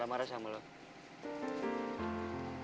soalnya kakak tuh sebenernya seperti itu